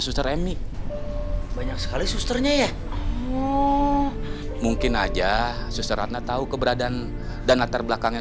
suster remy banyak sekali susternya ya mungkin aja suster ratna tahu keberadaan dan latar belakangnya